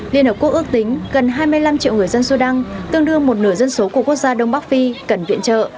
liên hợp quốc ước tính gần hai mươi năm triệu người dân sudan tương đương một nửa dân số của quốc gia đông bắc phi cần viện trợ